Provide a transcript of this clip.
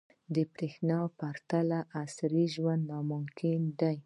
• برېښنا پرته عصري ژوند ناممکن دی.